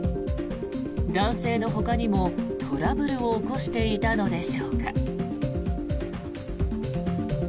男性のほかにも、トラブルを起こしていたのでしょうか。